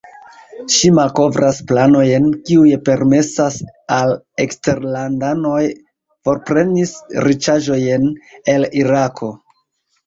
Ŝi malkovras planojn, kiuj permesas al eksterlandanoj forprenis riĉaĵojn el Irako.